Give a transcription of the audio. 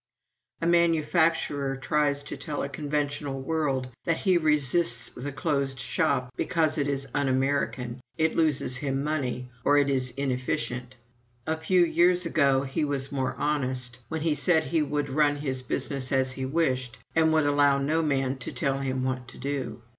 A manufacturer tries to tell a conventional world that he resists the closed shop because it is un American, it loses him money, or it is inefficient. A few years ago he was more honest, when he said he would run his business as he wished and would allow no man to tell him what to do.